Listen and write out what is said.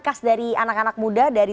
khas dari anak anak muda dari